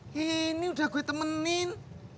hei nih udah gue temenin